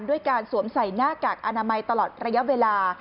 ด้วยการสวมใส่หน้ากากอนามัยตลอดระยะเวลา